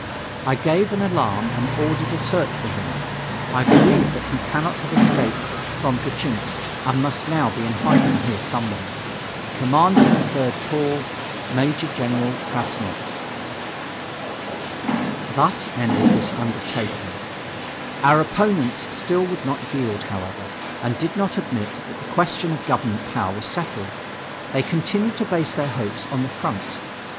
I gave an alarm and ordered a search for him. I believe that he cannot have escaped from Gatchinsk and must now be in hiding here somewhere. Commanding the 3rd Corps, Major General Krassnov. Thus ended this undertaking. Our opponents still would not yield, however, and did not admit that the question of government power was settled. They continued to base their hopes on the front.